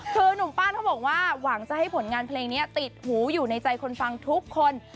คือหนุ่มปั้นเขาบอกว่าหวังจะให้ผลงานเพลงนี้ติดหูอยู่ในใจคนฟังทุกคน